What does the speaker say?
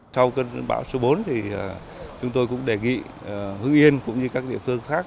sau cơn bão số bốn chúng tôi cũng đề nghị hưng yên cũng như các địa phương khác